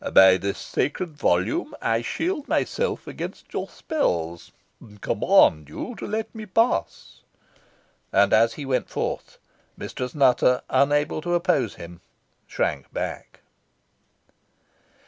"By this sacred volume I shield myself against your spells, and command you to let me pass." And as he went forth, Mistress Nutter, unable to oppose him, shrank back.